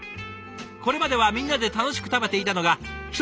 「これまではみんなで楽しく食べていたのが一人黙々と。